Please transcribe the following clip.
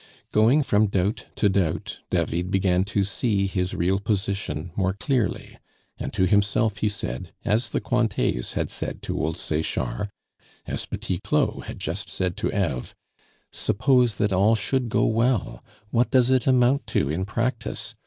Going from doubt to doubt, David began to see his real position more clearly; and to himself he said, as the Cointets had said to old Sechard, as Petit Claud had just said to Eve, "Suppose that all should go well, what does it amount to in practice?